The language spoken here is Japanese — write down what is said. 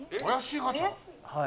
「はい」